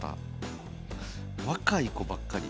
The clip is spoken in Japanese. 若い子ばっかり。